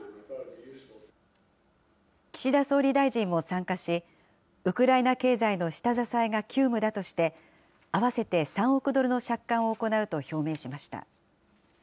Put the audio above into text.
岸田総理大臣も参加し、ウクライナ経済の下支えが急務だとして、合わせて３億ドルの借款を行うと表明しました。